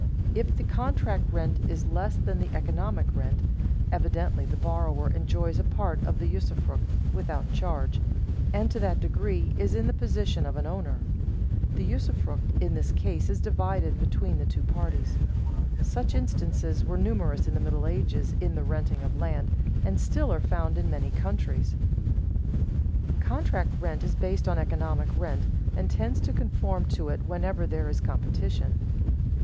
If the contract rent is less than the economic rent, evidently the borrower enjoys a part of the usufruct, without charge, and to that degree is in the position of an owner. The usufruct in this case is divided between the two parties. Such instances were numerous in the Middle Ages in the renting of land, and still are found in many countries. Contract rent is based on economic rent and tends to conform to it whenever there is competition.